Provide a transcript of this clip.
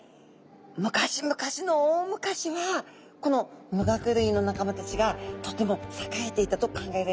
むかしむかしの大むかしはこの無顎類の仲間たちがとてもさかえていたと考えられてます。